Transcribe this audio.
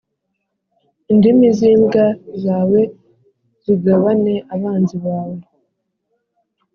Indimi z imbwa zawe zigabane abanzi bawe